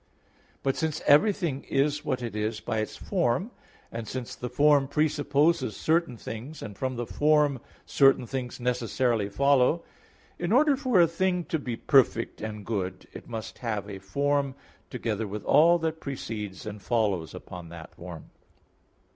But since everything is what it is by its form (and since the form presupposes certain things, and from the form certain things necessarily follow), in order for a thing to be perfect and good it must have a form, together with all that precedes and follows upon that form.